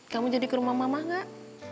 kamu jadi ke rumah mama gak